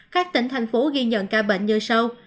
các tỉnh thành phố ghi nhận ca bệnh như sau